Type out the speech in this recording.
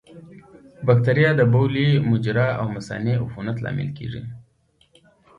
بکتریا د بولي مجرا او مثانې عفونت لامل کېږي.